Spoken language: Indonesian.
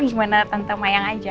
gimana tentang mayang aja